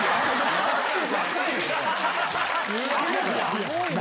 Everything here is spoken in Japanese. すごいな！